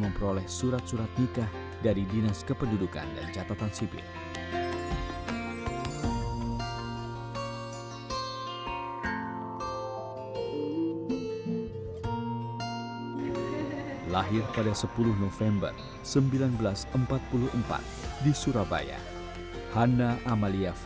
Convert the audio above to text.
memperoleh surat surat nikah dari rumah yang diperlukan untuk menjalani kemanusiaan